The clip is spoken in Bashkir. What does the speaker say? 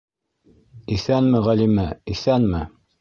- Иҫәнме, Ғәлимә, иҫәнме.